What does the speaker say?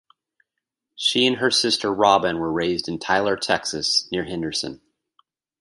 She and her sister Robyn were raised in Tyler, Texas, near Henderson.